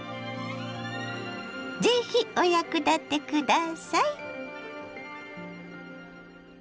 是非お役立て下さい。